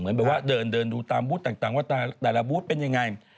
แบบว่าเดินดูตามบูธต่างว่าแต่ละบูธเป็นยังไง